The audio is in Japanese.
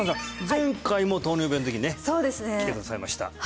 前回も「糖尿病」の時にね来てくださいました